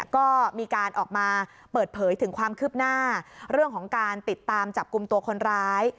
ก็มีการออกมาเปิดเผยถึงความคืบหน้าเรื่องของการติดตามจับกลุ่มตัวคนร้าย